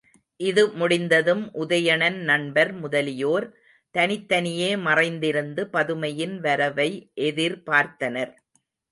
இது முடிந்ததும் உதயணன் நண்பர் முதலியோர், தனித்தனியே மறைந்திருந்து பதுமையின் வரவை எதிர் பார்த்தனர்.